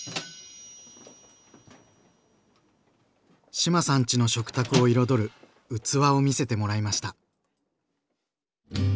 志麻さんちの食卓を彩る器を見せてもらいました。